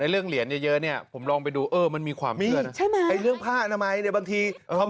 เราก็หอนเป็นหมาเลยเออ